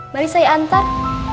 mari saya antar